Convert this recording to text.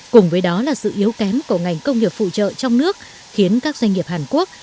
cùng với đó là sự yếu kém của ngành công nghiệp phụ trợ trong nước khiến các doanh nghiệp hàn quốc